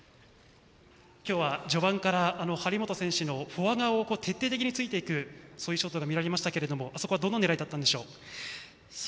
今日は序盤から張本選手のフォア側を徹底的についていくそういうショットが見られましたけどもあそこはどの狙いだったんでしょう？